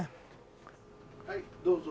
はいどうぞ。